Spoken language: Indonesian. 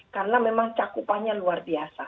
karena memang cakupannya luar biasa